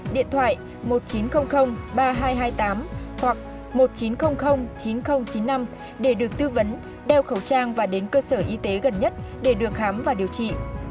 điện thoại một nghìn chín trăm linh ba nghìn hai trăm hai mươi tám hoặc một nghìn chín trăm linh chín nghìn chín mươi năm để được tư vấn đeo khẩu trang và đến cơ sở y tế gần nhất để được khám và điều trị